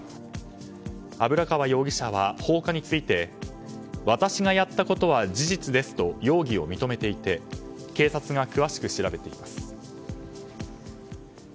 油川容疑者は放火について私がやったことは事実ですと容疑を認めていて警察が詳しく調べています。